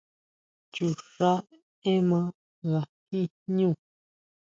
Chuxʼá énma nga jin jñú.